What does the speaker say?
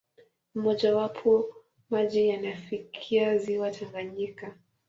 Mmojawapo, maji yanafikia ziwa Tanganyika.